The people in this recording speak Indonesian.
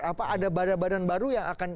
apa ada badan badan baru yang akan